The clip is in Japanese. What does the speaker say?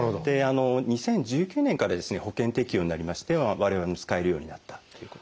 ２０１９年からですね保険適用になりまして我々も使えるようになったということです。